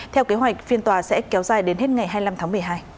theo kế hoạch phiên tòa sẽ kéo dài đến hết ngày hai mươi năm tháng một mươi hai